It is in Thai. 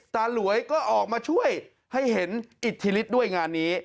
หลวยก็ออกมาช่วยให้เห็นอิทธิฤทธิด้วยงานนี้